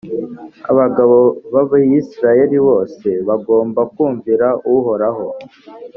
abagabo b’abayisraheli bose bagomba kumvira uhoraho,